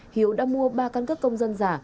hiếu đã mua ba căn cước công dân giả